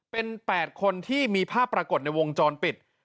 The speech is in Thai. เป็น๘คนที่มีภาพปรากฏในวงจรปิด